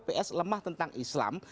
ps lemah tentang islam